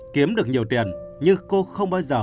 kiếm được nhiều tiền nhưng cô không bao giờ